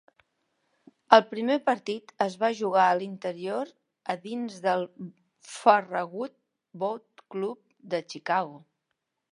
El primer partit es va jugar a l'interior, a dins del Farragut Boat Club de Chicago.